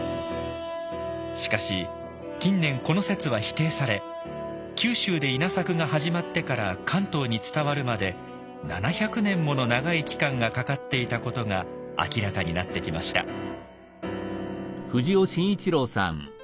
しかし近年この説は否定され九州で稲作が始まってから関東に伝わるまで７００年もの長い期間がかかっていたことが明らかになってきました。